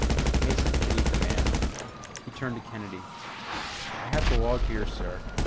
_" Mason pitied the man. He turned to Kennedy. "I have the log here, sir.